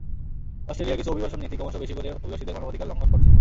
অস্ট্রেলিয়ার কিছু অভিবাসন নীতি ক্রমশই বেশি করে অভিবাসীদের মানবাধিকার লঙ্ঘন করছে।